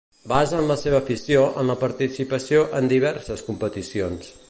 Basen la seva afició en la participació en diverses competicions.